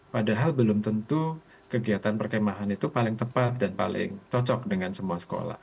padahal belum tentu kegiatan perkemahan itu paling tepat dan paling cocok dengan semua sekolah